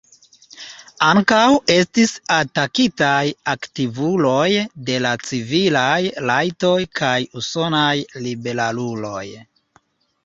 Ankaŭ estis atakitaj aktivuloj de la civilaj rajtoj kaj usonaj liberaluloj.